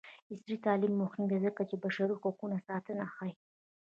عصري تعلیم مهم دی ځکه چې د بشري حقونو ساتنه ښيي.